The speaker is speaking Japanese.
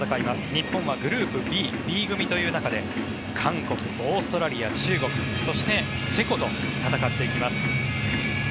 日本はグループＢという中で韓国、オーストラリア、中国そして、チェコと戦っていきます。